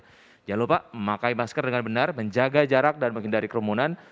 jangan lupa memakai masker dengan benar menjaga jarak dan menghindari kerumunan